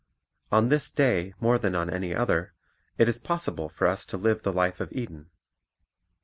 On this day more than on any other, it is possible for us to live the life of Eden.